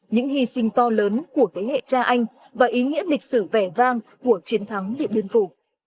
những hy sinh to lớn của thế hệ cha anh và ý nghĩa lịch sử vẻ vang của chiến thắng điện biên phủ